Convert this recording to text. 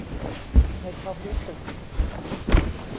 ในความรู้สึก